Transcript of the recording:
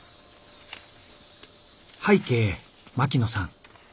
「拝啓槙野さん。